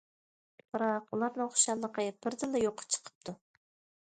بىراق ئۇلارنىڭ خۇشاللىقى بىردىنلا يوققا چىقىپتۇ.